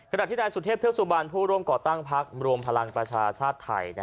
ขณะที่นายสุเทพเทือกสุบันผู้ร่วมก่อตั้งพักรวมพลังประชาชาติไทย